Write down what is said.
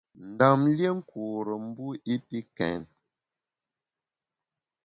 Ndam lié nkure mbu i pi kèn.